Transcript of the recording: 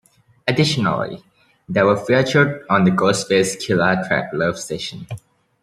Additionally, they were featured on the Ghostface Killah track Love Session.